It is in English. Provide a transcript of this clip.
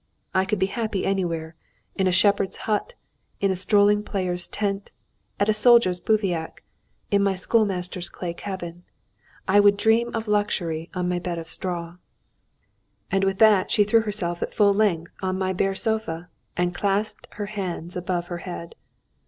I could be happy anywhere: in a shepherd's hut, a strolling player's tent, at a soldier's bivouac, in a schoolmaster's clay cabin. I would dream of luxury on my bed of straw." And with that, she threw herself at full length on my bare sofa, and clasped her hands above her head.